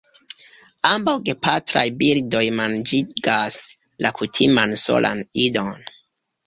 Ambaŭ gepatraj birdoj manĝigas la kutiman solan idon.